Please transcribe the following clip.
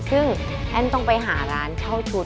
ซึ่งแอ้นต้องไปหาร้านเช่าชุด